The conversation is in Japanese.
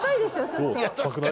ちょっと」